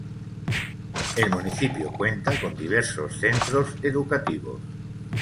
El municipio cuenta con diversos centros educativos.